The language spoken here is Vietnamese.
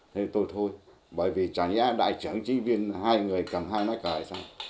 thế tôi thôi bởi vì chả nhẽ đại trưởng chính viên hai người cầm hai máy cờ hay sao